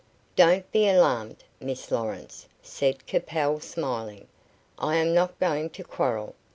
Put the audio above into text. "Don't be alarmed, Miss Lawrence," said Capel, smiling. "I am not going to quarrel.